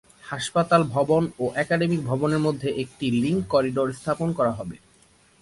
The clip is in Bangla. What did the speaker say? হাসপাতাল ভবন ও একাডেমিক ভবনের মধ্যে একটি লিংক করিডোর স্থাপন করা হবে।